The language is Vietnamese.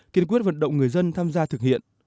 kiên quyết vận động người dân tham gia thực hiện